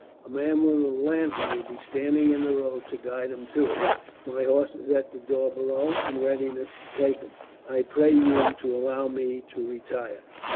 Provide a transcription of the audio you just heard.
A man with a lantern will be standing in the road to guide him to it. My horse is at the door below, in readiness to take him. I pray you to allow me to retire."